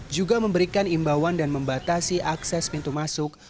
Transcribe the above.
juga memberikan imbauan dan membatasi akses pintu masuk